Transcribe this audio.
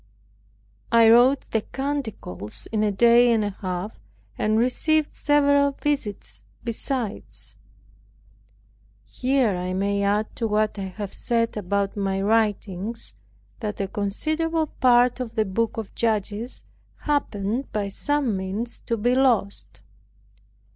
I wrote the canticles in a day and a half, and received several visits besides. Here I may add to what I have said about my writings, that a considerable part of the book of Judges happened by some means to be lost.